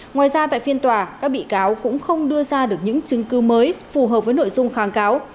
ngoài ra tại phiên tòa các bị cáo cũng không đưa ra được những chứng cứ mới phù hợp với nội dung kháng cáo